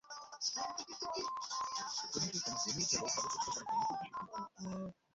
তোমাকে তোমার রুমেই জবাই করে হত্যা করা হবে খুব শিগগির।